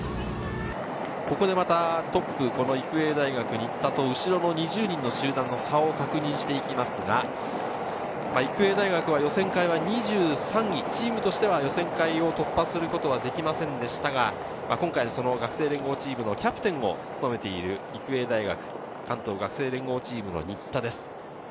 ここでまたトップ、育英大学・新田と後ろの２０人の集団の差を確認していきますが、育英大学は予選会は２３位、チームとしては予選会を突破することはできませんでしたが、今回、学生連合チームのキャプテンを務めている育英大学、関東学生連合チームの新田です。